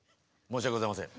申し訳ございません。